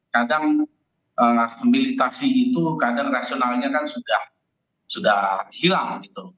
kadang akhamilitasi itu kadang rasionalnya kan sudah hilang gitu